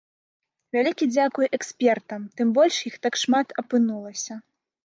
Вялікі дзякуй экспертам, тым больш іх так шмат апынулася.